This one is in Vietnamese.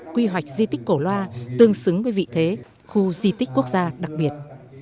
quy hoạch di tích cổ loa tương xứng với vị thế khu di tích quốc gia đặc biệt